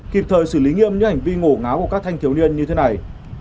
kịp thời xử lý nghiêm những hành vi ngổ ngáo của các thanh thiếu niên như thế này